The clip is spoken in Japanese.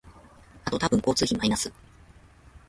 あと多分交通費マイナス